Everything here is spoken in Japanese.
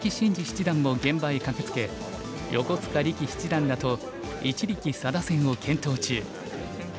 七段も現場へ駆けつけ横塚力七段らと一力・佐田戦を検討中。